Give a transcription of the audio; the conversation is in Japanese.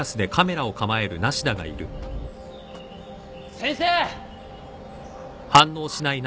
先生！